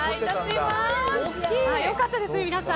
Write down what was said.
良かったですね、皆さん。